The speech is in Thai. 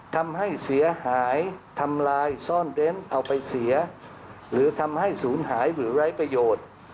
ทำให้เสียหายทำลายซ่อนเร้นเอาไปเสียหรือทำให้ศูนย์หายหรือไร้ประโยชน์